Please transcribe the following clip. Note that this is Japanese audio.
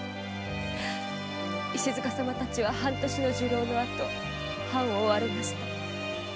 石塚様たちは半年の入牢の後藩を追われました。